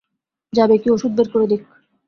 যাবে কী, ওষুধ বের করে দিক।